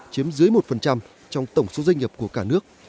chiếm dưới một trong tổng số doanh nghiệp của cả nước